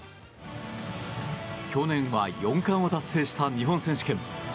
去年は４冠を達成した日本選手権。